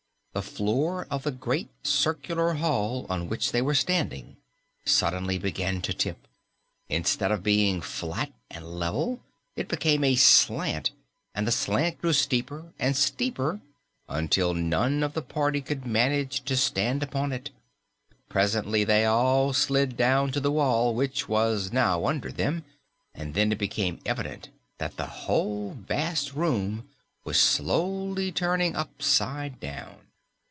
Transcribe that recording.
The floor of the great circular hall on which they were standing suddenly began to tip. Instead of being flat and level, it became a slant, and the slant grew steeper and steeper until none of the party could manage to stand upon it. Presently they all slid down to the wall, which was now under them, and then it became evident that the whole vast room was slowly turning upside down!